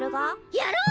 やろう！